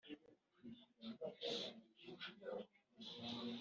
abusalomu agisha ahitofeli inama